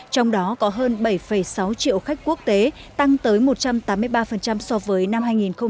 trong đó có hơn bảy sáu triệu khách quốc tế tăng tới một trăm tám mươi ba so với năm hai nghìn một mươi tám